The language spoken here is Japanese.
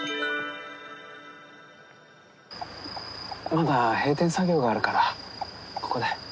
まだ閉店作業があるからここで。